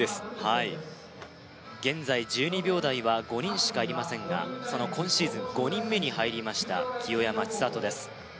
はい現在１２秒台は５人しかいませんがその今シーズン５人目に入りました清山ちさとです